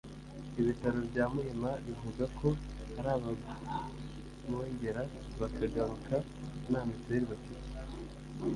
ibitaro bya Muhima bivugako hari abongera bakagaruka nta Mitueli bafite